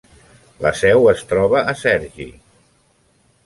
La seu es troba a Cergy.